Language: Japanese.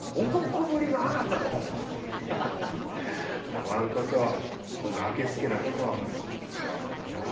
おまんこそそのあけすけなとこ変わらんのう。